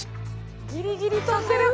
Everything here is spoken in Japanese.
ギリギリ飛んでる？